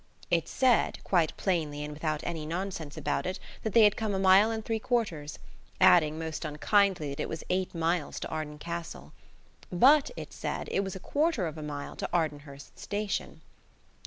It said, quite plainly and without any nonsense about it, that they had come a mile and three quarters, adding, most unkindly, that it was eight miles to Arden Castle. But, it said, it was a quarter of a mile to Ardenhurst Station.